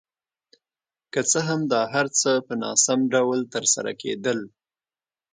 که څه هم دا هر څه په ناسم ډول ترسره کېدل.